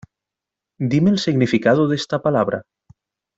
Dime el significado de esta palabra.